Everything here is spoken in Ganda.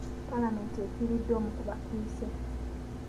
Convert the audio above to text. Palamenti efiiriddwa omu ku bakiise.